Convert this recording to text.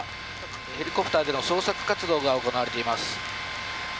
ヘリコプターでの捜索活動が行われています。